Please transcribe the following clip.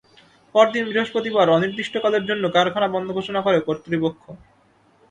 পরদিন বৃহস্পতিবার অনির্দিষ্টকালের জন্য কারখানা বন্ধ ঘোষণা করে কর্তৃপক্ষ।